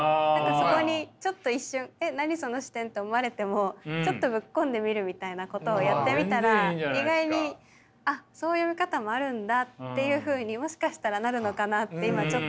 そこにちょっと一瞬「えっ何その視点」と思われてもちょっとぶっ込んでみるみたいなことをやってみたら意外にあっそういう見方もあるんだっていうふうにもしかしたらなるのかなって今ちょっと自信が。